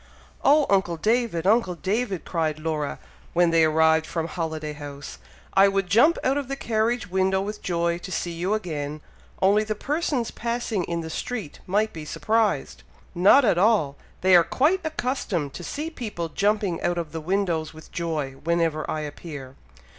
"Oh! uncle David! uncle David!" cried Laura, when they arrived from Holiday House, "I would jump out of the carriage window with joy to see you again; only the persons passing in the street might be surprised!" "Not at all! They are quite accustomed to see people jumping out of the windows with joy, whenever I appear."